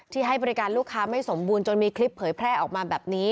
ให้บริการลูกค้าไม่สมบูรณ์จนมีคลิปเผยแพร่ออกมาแบบนี้